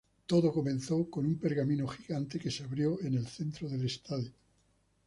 Todo comenzó con un pergamino gigante que se abría en el centro del estadio.